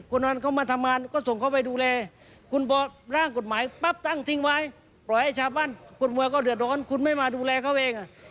คุณน้านเข้ามาทำงานก็ส่งเขาไปดูแล